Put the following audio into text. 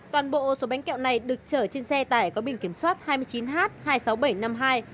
toàn bộ số bánh kẹo này được chở trên xe tải có biển kiểm soát hai mươi chín h hai mươi sáu nghìn bảy trăm năm mươi hai